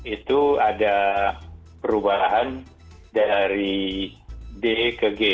itu ada perubahan dari d ke g